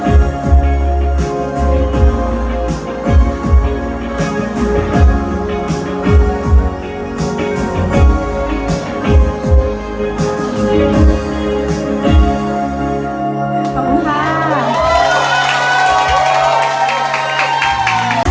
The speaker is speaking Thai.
อาจที่จริงอาจที่จริงฉันก็ไม่ได้กลัวตั้งที่ได้เห็นเธอแต่ไม่เอาต่อ